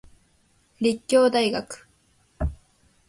立教大学